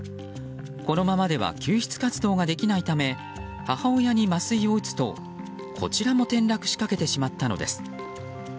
このままでは救出活動ができないため母親に麻酔を打つと、こちらも転落しかけてしまったのです。